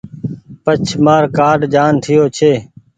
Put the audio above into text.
پڇ مآر ڪآرڊ جآن ٺييو ڇي۔